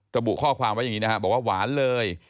ระบุข้อความไว้อย่างนี้นะครับบอกว่าหวานเลย